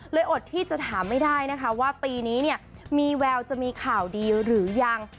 อดที่จะถามไม่ได้นะคะว่าปีนี้เนี่ยมีแววจะมีข่าวดีหรือยัง